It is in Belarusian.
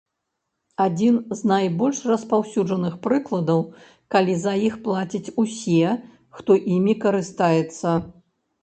Адзін з найбольш распаўсюджаных прыкладаў, калі за іх плацяць усе, хто імі карыстаецца.